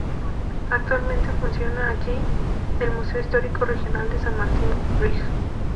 Actualmente funciona allí el Museo Histórico Regional de San Martín "Brig.